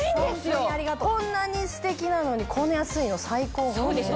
こんなにステキなのにこんな安いの最高ホントに。